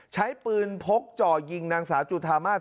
ใช้ปืนพกจ่อยิงนางสาวจุธามาศ